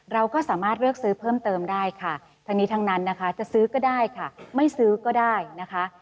เราก็สามารถเลือกซื้อเพิ่มเติมได้ค่ะทั้งนี้ทั้งนั้นนะคะจะซื้อก็ได้ค่ะไม่ซื้อก็ได้นะคะ